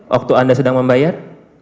waktu anda sedang membayar